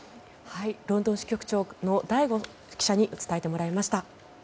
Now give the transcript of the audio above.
ロンドン支局長の醍醐記者に伝えてもらいました。